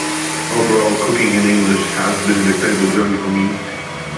Overall, cooking in English has been an incredible journey for me.